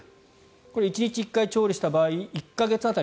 これは１日１回調理した場合１か月当たり